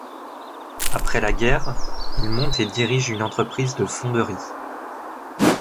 Après la guerre, il monte et dirige une entreprise de fonderie.